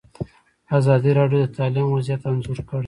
ازادي راډیو د تعلیم وضعیت انځور کړی.